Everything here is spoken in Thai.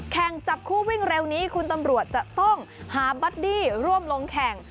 จับคู่วิ่งเร็วนี้คุณตำรวจจะต้องหาบัดดี้ร่วมลงแข่ง